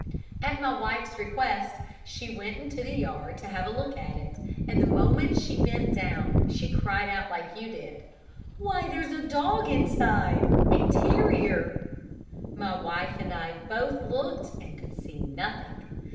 At my wife's request she went into the yard to have a look at it, and the moment she bent down, she cried out like you did, 'Why, there's a dog inside a terrier!' My wife and I both looked and could see nothing.